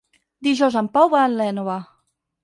Dijous en Pau va a l'Énova.